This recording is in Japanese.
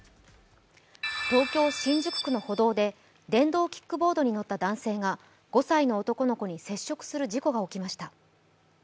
東京・新宿区の歩道で電動キックボードに乗った男性が５歳の男の子に接触する事故が起きました。